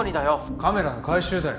カメラの回収だよ。